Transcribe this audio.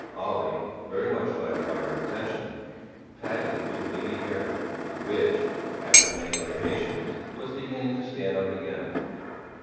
Olle, very much flattered by her attention, patted his wavy hair which, after the many libations, was beginning to stand up again.